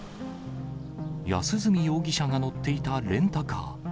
安栖容疑者が乗っていたレンタカー。